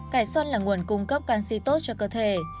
cải xoăn là nguồn cung cấp canxi tốt cho cơ thể